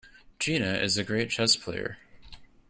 Gina is a great chess player.